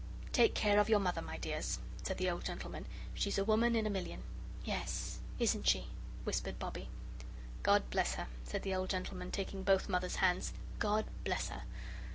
"Take care of your Mother, my dears," said the old gentleman. "She's a woman in a million." "Yes, isn't she?" whispered Bobbie. "God bless her," said the old gentleman, taking both Mother's hands, "God bless her!